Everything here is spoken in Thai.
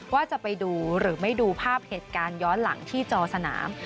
ว่าจะไปดูหรือไม่ดูภาพเหตุการณ์ย้อนหลังที่จอสนาม